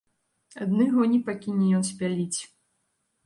Адны гоні пакіне ён спяліць.